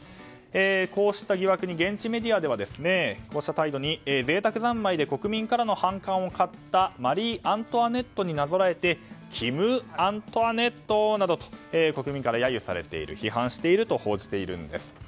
こうした疑惑に現地メディアは贅沢三昧で国民からの反感を買ったマリー・アントワネットになぞらえてキム・アントワネットなどと国民から揶揄されている批判されていると報じているんです。